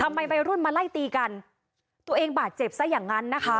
วัยรุ่นมาไล่ตีกันตัวเองบาดเจ็บซะอย่างนั้นนะคะ